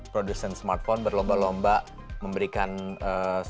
produsen smartphone berlomba lomba memberikan sebuah fasilitas